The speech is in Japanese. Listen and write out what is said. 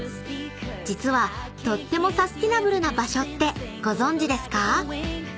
［実はとってもサスティナブルな場所ってご存じですか？］